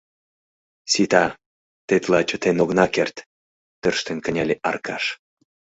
— Сита, тетла чытен огына керт! — тӧрштен кынеле Аркаш.